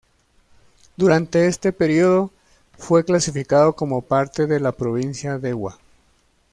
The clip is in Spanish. Durante este periodo, fue clasificado como parte de la provincia Dewa.